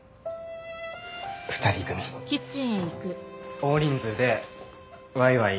大人数でわいわい